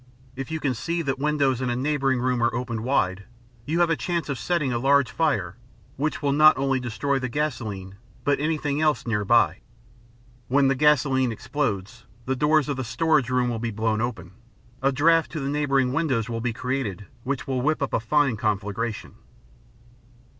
If you can see that windows in a neighboring room are opened wide, you have a chance of setting a large fire which will not only destroy the gasoline but anything else nearby; when the gasoline explodes, the doors of the storage room will be blown open, a draft to the neighboring windows will be created which will whip up a fine conflagration.